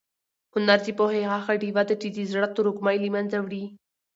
هنر د پوهې هغه ډېوه ده چې د زړه تروږمۍ له منځه وړي.